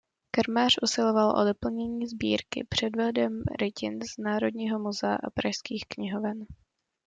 Kramář usiloval o doplnění sbírky převodem rytin z Národního muzea a pražských knihoven.